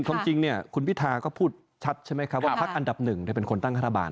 ความจริงเนี่ยคุณพิธาก็พูดชัดใช่ไหมครับว่าพักอันดับหนึ่งเป็นคนตั้งรัฐบาล